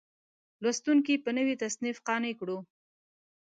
لوستونکي په نوي تصنیف قانع کړو.